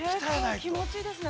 ◆結構気持ちいいですね。